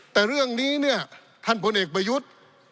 แต่เรื่องนี้เนี่ยท่านพลเอกประยุทธ์